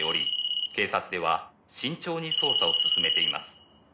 「警察では慎重に捜査を進めています」